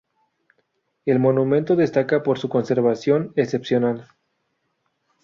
El monumento destaca por su conservación excepcional.